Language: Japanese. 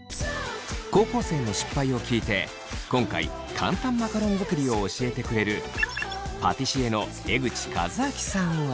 高校生の失敗を聞いて今回簡単マカロン作りを教えてくれるパティシエの江口和明さんは。